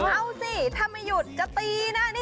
เอาสิถ้าไม่หยุดจะตีนะนี่